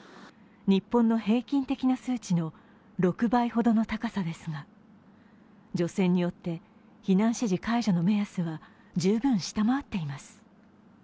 日本の平均的な数値の６倍ほどの高さですが、除染によって避難指示解除の目安は十分下回っています。